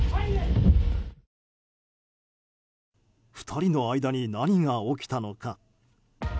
２人の間に何が起きたのか。